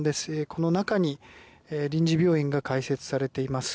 この中に臨時病院が開設されています。